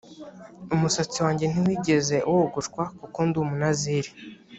umusatsi wanjye ntiwigeze wogoshwa kuko ndi umunaziri